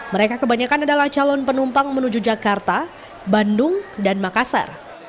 mereka kebanyakan adalah calon penumpang menuju jakarta bandung dan makassar